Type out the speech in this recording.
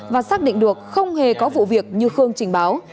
và xác định được không hề có vụ việc như khương trình báo